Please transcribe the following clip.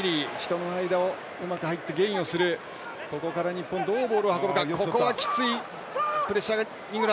日本、どうボールを運ぶか。